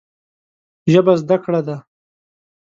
ژبه زده کړه ده